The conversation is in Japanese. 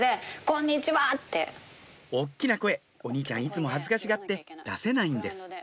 大きな声お兄ちゃんいつも恥ずかしがって出せないんです